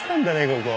ここ。